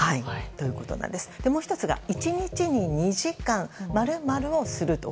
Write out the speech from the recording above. もう１つが、１日に２時間○○をすると。